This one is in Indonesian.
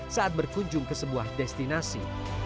saat berkunjung ke sebuah destinasi